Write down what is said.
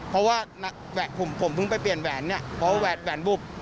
เพราะว่าหนักแหวะขึ้นผมเพิ่งไปเปลี่ยนแหวนเพราะว่าแหวดแหวนบุบ